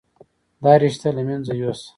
دا رشته له منځه يوسه.